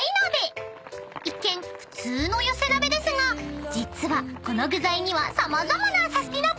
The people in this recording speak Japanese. ［一見普通の寄せ鍋ですが実はこの具材には様々なサスティな！